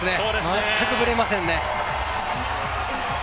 全くブレませんね。